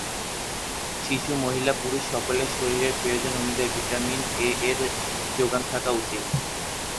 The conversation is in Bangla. শিশু, মহিলা, পুরুষ সকলের শরীরের প্রয়োজন অনুযায়ী ভিটামিন ‘এ’ র যোগান থাকা উচিত।..